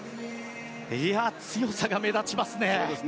いやあ、強さが目立ちますね。